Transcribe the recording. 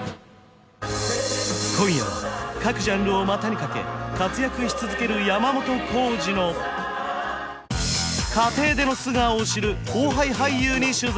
今夜は各ジャンルを股にかけ活躍し続ける山本耕史の家庭での素顔を知る後輩俳優に取材！